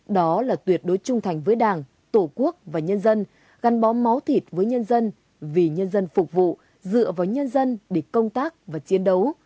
đó là tuyệt đối trung thành với đảng tổ quốc và nhân dân gắn bó máu thịt với nhân dân vì nhân dân phục vụ dựa vào nhân dân để công tác và chiến đấu